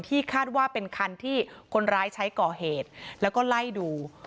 คาดว่าเป็นคันที่คนร้ายใช้ก่อเหตุแล้วก็ไล่ดู